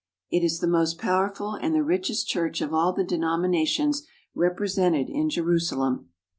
It is the most powerful and the richest church of all the denominations represented in Jerusalem.